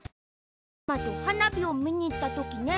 ママとはなびをみにいったときね